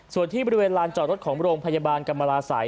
ส่วนที่บริเวณลานจอดรถของโรงพยาบาลกรรมราศัย